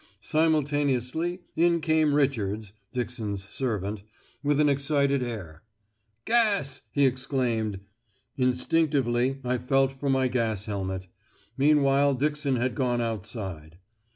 Simultaneously, in came Richards (Dixon's servant) with an excited air. 'Gas,' he exclaimed. Instinctively, I felt for my gas helmet. Meanwhile Dixon had gone outside.